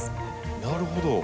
なるほど。